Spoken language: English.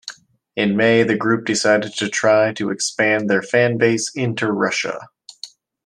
In May the group decided to try to expand their fan base into Russia.